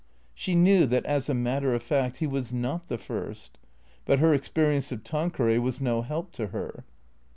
She knew that, as a matter of fact, he was not the first. But her experience of Tanqueray was no help to her.